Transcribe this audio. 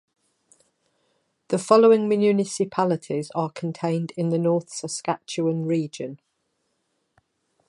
The following municipalities are contained in the North Saskatchewan Region.